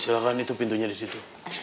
silahkan itu pintunya di situ